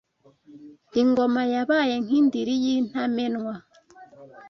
ingoma yabaye nk’indiri y’intamenwa